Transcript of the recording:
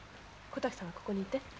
小滝さんはここにいて。